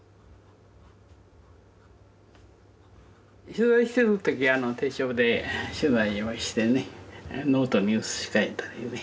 取材してる時手帳で取材をしてねノートに写し書いたりね。